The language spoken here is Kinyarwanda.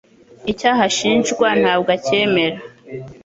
icyaha ashinjwa ntabwo acyemera